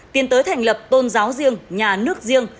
tiến tới thành lập tôn giáo riêng nhà nước riêng